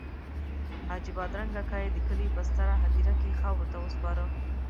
حاجي بادرنګ اکا یې د کلي په ستره هدیره کې خاورو ته وسپاره.